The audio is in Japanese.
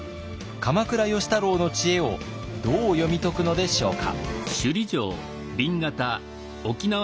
鎌倉芳太郎の知恵をどう読み解くのでしょうか。